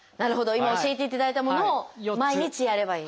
今教えていただいたものを毎日やればいい？